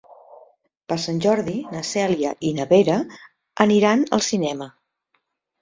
Per Sant Jordi na Cèlia i na Vera aniran al cinema.